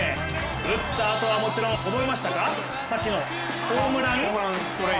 打ったあとはもちろん覚えてましたか、さっきの？